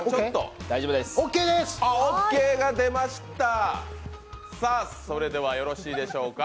オッケーが出ました、それではよろしいでしょうか。